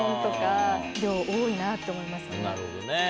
なるほどね。